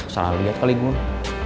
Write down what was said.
salah liat kali gue